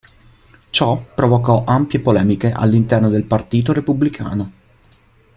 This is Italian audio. Ciò provocò ampie polemiche all'interno del Partito Repubblicano.